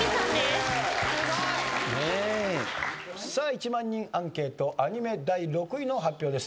さあ１万人アンケートアニメ第６位の発表です。